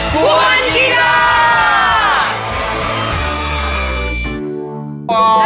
ควรกิจา